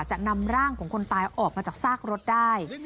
จะนำร่างของคนตายออกมาจากซากรถได้